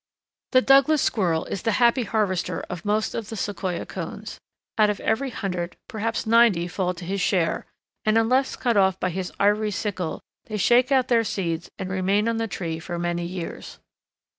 The Douglas squirrel is the happy harvester of most of the Sequoia cones. Out of every hundred perhaps ninety fall to his share, and unless cut off by his ivory sickle they shake out their seeds and remain on the tree for many years.